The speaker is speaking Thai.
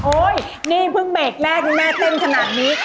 นี่เพิ่งเบรกแรกนี่แม่เต้นขนาดนี้